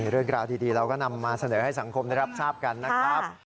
เรื่องราวดีเราก็นำมาเสนอให้สังคมได้รับทราบกันนะครับ